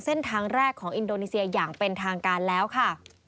เส้นทางแรกของอินโดนีเซียอย่างเป็นทางการแล้วค่ะ